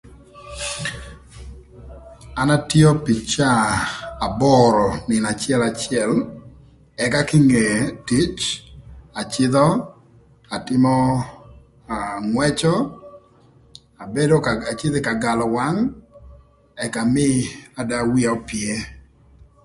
An atio pï caa aboro nïnö acëlacël ëka kinge tic acïdhö atïmö aa angwëcö abedo ka cïdhö ï ka galö wang ëka amïï ada wia opye.